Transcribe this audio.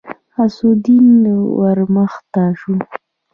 غوث الدين ورمخته شو.